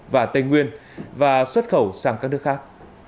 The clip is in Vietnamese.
và tây nguyên và xuất khẩu sang các nước khác